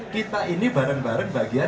kita ini bareng bareng bagian